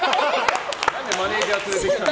何でマネジャー連れてきたの。